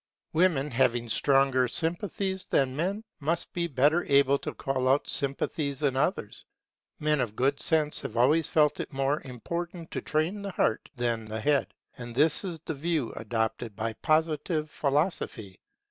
Women, having stronger sympathies than men, must be better able to call out sympathies in others. Men of good sense have always felt it more important to train the heart than the head; and this is the view adopted by Positive Philosophy.